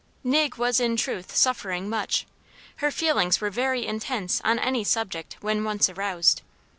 Nig was in truth suffering much; her feelings were very intense on any subject, when once aroused.